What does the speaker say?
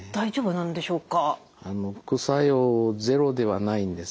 副作用ゼロではないんです。